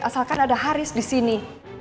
asalkan ada haris disini